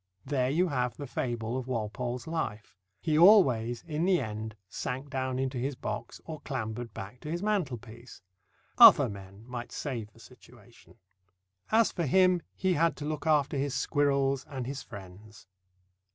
There you have the fable of Walpole's life. He always in the end sank down into his box or clambered back to his mantelpiece. Other men might save the situation. As for him, he had to look after his squirrels and his friends.